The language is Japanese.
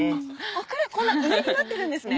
オクラこんな上になってるんですね。